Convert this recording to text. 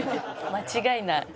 間違いない。